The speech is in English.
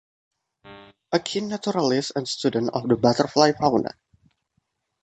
A keen naturalist and student of the butterfly fauna.